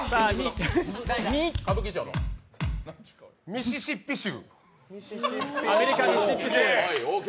ミシシッピ州。